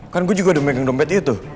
kan gue juga udah megang dompet itu